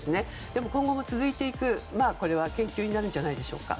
でも今後も続いていく研究になるのではないですか。